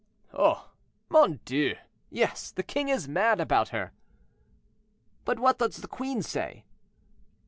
"Oh! mon Dieu! yes; the king is mad about her." "But what does the queen say?"